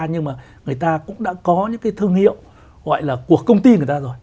nhưng mà người ta cũng đã có những cái thương hiệu gọi là của công ty người ta rồi